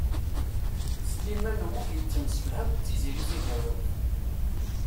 Sliman U Muḥ yettemsefham d Tiziri Tagawawt.